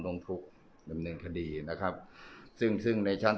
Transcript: ตอนนี้ก็ไม่มีอัศวินทรีย์